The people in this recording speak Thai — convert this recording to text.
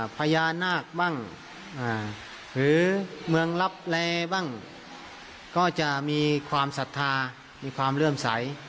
พญานาคบ้างหรือเมืองลับแลบ้างก็จะมีความศรัทธามีความเลื่อมใส